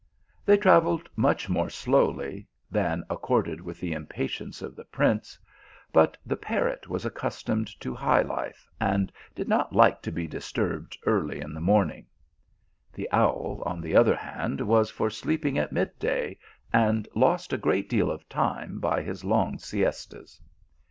They travelled much more slowly than accorded with the impatience of the prince, but the parrot was accustomed to high life, and did not like to be disturbed early in the morning. The owl, on the other hand, was for sleeping at mid day, and lost a great deal of time by his long siestas.